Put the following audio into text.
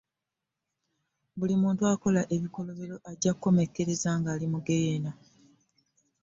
Buli muntu akola ebikolobera ajja kukomekkereza ng'ali mu ggeyeena.